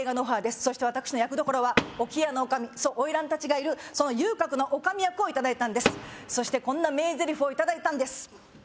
そして私の役どころは置屋の女将そう花魁達がいるその遊郭の女将役をいただいたんですそしてこんな名ゼリフをいただいたんです